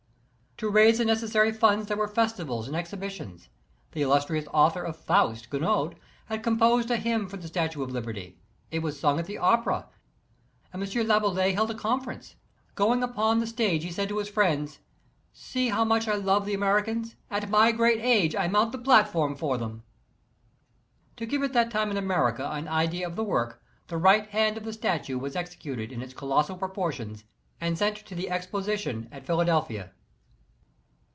To raise the necessary funds there were festivals and exhibitions. The illustrious author of " Faust," Gounod, had composed a hymn for the Statue of Liberty. It was sung at the opera, and M. Laboulaye held a conference. Going upon the stage he said to his friends :See how much I love the Americans! At my great age I mount the platform for them." [See notes.] To give at that time in America an idea of the work, the right hand of the statue was executed in its colossal proportions and sent to the Exposition at Philadelphia.